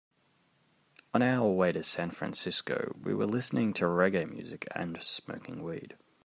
On our way to San Francisco, we were listening to reggae music and smoking weed.